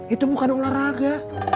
itu bukan olahraga